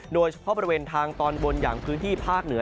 โดยเฉพาะบริเวณทางตอนบนอย่างพื้นที่ภาคเหนือ